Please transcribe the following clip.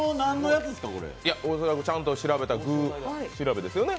恐らくちゃんと調べたものですよね。